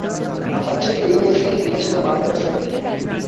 ہم اچھے طریقے سے انگلش میں بات کر سکتے ہیں